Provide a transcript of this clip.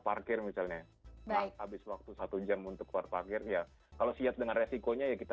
parkir misalnya habis waktu satu jam untuk keluar parkir ya kalau siap dengan resikonya ya kita